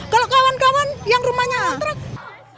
kalau kawan kawan yang rumahnya antrak